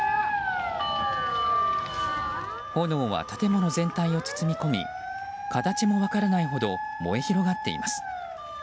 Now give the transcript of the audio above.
炎は建物全体を包み込み形が分からないほど燃え広がっています。